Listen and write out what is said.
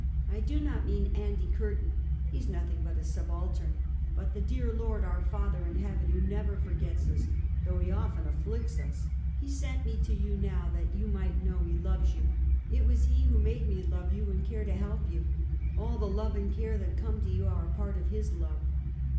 I do not mean Andy Curtin. He is nothing but a subaltern; but the dear Lord, our Father in Heaven, who never forgets us, though he often afflicts us. He sent me to you now, that you miglit know he loves you. It was he who made me love you and care to help you. All the love and care that come to you are a part of his love."